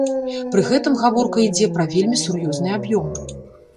Пры гэтым гаворка ідзе пра вельмі сур'ёзныя аб'ёмы.